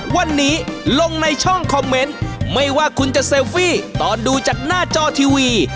วันนี้ลงในช่องคอมเมนต์ไม่ว่าคุณจะเซลฟี่ตอนดูจากหน้าจอทีวี